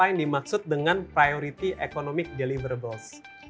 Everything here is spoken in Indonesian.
yang dimaksud dengan priority economic deliverables